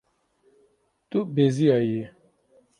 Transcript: Tu beziyayî.